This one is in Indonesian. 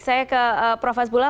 saya ke prof azbula